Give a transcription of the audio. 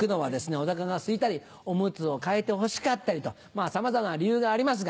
お腹がすいたりおむつを替えてほしかったりとさまざまな理由がありますが。